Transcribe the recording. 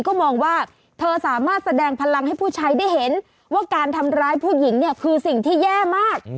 ก็มองว่าเธอสามารถแสดงพลังให้ผู้ชายได้เห็นว่าการทำร้ายผู้หญิงเนี่ยคือสิ่งที่แย่มาก